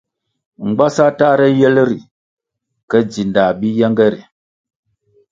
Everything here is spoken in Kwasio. Mgbasa tahre yel ri ke dzindah bi yenge ri.